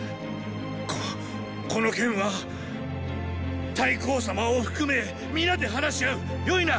ここの件は太后様を含め皆で話し合う！よいな！